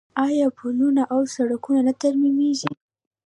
آیا پلونه او سړکونه نه ترمیموي؟